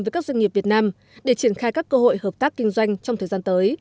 với các doanh nghiệp việt nam để triển khai các cơ hội hợp tác kinh doanh trong thời gian tới